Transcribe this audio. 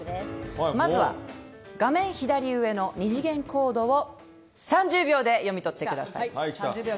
まずは画面左上の二次元コードを３０秒で読み取ってください。